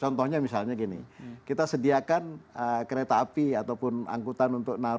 contohnya misalnya gini kita sediakan kereta api ataupun angkutan untuk narkoba